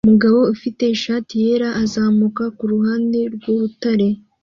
Umugabo ufite ishati yera azamuka kuruhande rwurutare